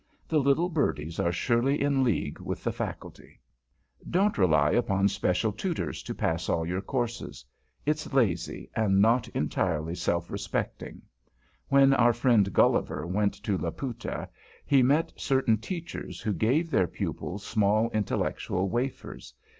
The little birdies are surely in league with the Faculty. [Sidenote: INTELLECTUAL NARCOTICS] Don't rely upon special tutors to pass all your courses. It's lazy and not entirely self respecting. When our friend Gulliver went to Laputa, he met certain Teachers who gave their pupils small intellectual wafers.